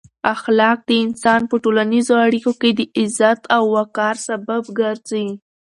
اخلاق د انسان په ټولنیزو اړیکو کې د عزت او وقار سبب ګرځي.